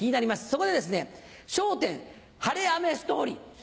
そこで「笑点晴れ雨ストーリー」。